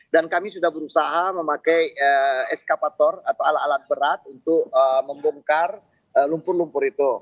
dan kami sudah berusaha memakai eskapator atau alat alat berat untuk membongkar lumpur lumpur itu